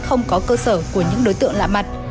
không có cơ sở của những đối tượng lạ mặt